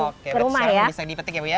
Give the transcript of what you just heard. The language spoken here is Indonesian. oke berarti bisa dipetik ya bu ya